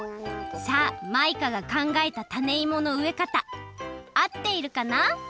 さあマイカがかんがえたタネイモのうえかたあっているかな？